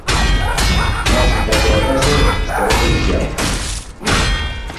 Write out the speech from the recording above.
Nós, en calquera caso, estaremos vixiantes.